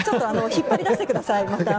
引っ張り出してください。